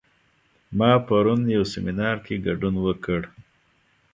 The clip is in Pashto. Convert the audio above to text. ما پرون یو سیمینار کې ګډون وکړ